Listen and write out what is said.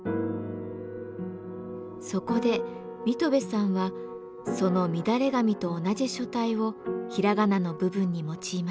そこで水戸部さんはその「みだれ髪」と同じ書体を平仮名の部分に用いました。